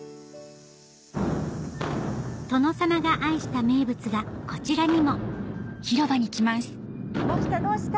殿様が愛した名物がこちらにもどうした？